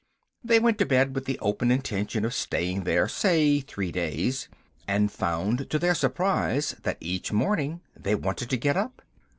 They went to bed with the open intention of staying there, say, three days, and found to their surprise that each morning they wanted to get up.